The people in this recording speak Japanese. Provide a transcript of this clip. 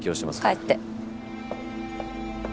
帰って。